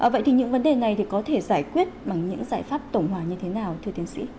vậy thì những vấn đề này thì có thể giải quyết bằng những giải pháp tổng hòa như thế nào thưa tiến sĩ